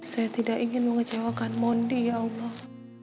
saya tidak ingin mengecewakan mondi ya allah